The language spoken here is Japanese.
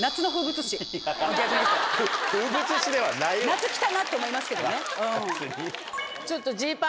「夏来たな」って思いますけどね。